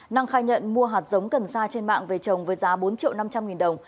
năng khai nhận mua hạt giống cần sa trên mạng về trồng với giá bốn triệu năm trăm linh nghìn đồng